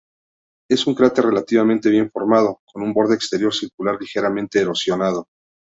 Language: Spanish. Es un cráter relativamente bien formado, con un borde exterior circular ligeramente erosionado.